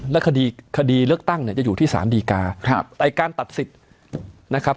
และคดีคดีเลือกตั้งเนี่ยจะอยู่ที่สารดีกาครับแต่การตัดสิทธิ์นะครับ